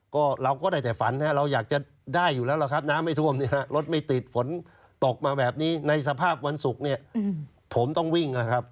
ก็เราก็ได้แต่ฝันเราอยากจะได้อยู่แล้วล่ะครับน้ำไม่ท่วมรถไม่ติดฝนตกมาแบบนี้ในสภาพวันศุกร์เนี่ยผมต้องวิ่งนะครับ